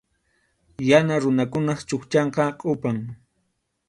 Yana runakunap chukchanqa kʼupam.